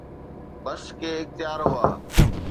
بس ڪي اختيار هئا.